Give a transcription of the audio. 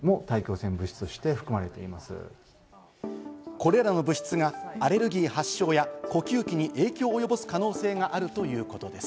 これらの物質がアレルギー発症や呼吸器に影響を及ぼす可能性があるということです。